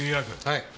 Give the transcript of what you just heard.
はい。